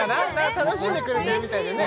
楽しんでくれてるみたいでね